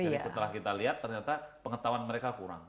jadi setelah kita lihat ternyata pengetahuan mereka kurang